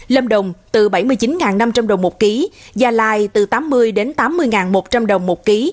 lâm đồng từ bảy mươi chín năm trăm linh đồng một ký gia lai từ tám mươi đến tám mươi ngàn một trăm linh đồng một ký